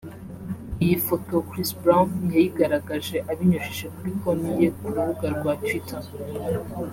Iyi foto Chris Brown yayigaragaje abinyujije kuri konti ye ku rubuga rwa Twitter